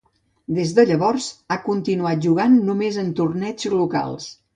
Des de llavors, ha continuat jugant només en torneigs locals.